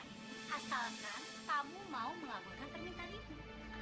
ini adalah korek yang sangat indah